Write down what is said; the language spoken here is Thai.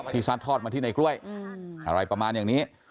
ซัดทอดมาที่ในกล้วยอะไรประมาณอย่างนี้